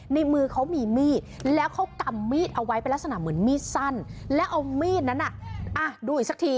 ในมือเขามีมีดแล้วเขากำมีดเอาไว้เป็นลักษณะเหมือนมีดสั้นแล้วเอามีดนั้นดูอีกสักที